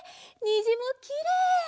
にじもきれい！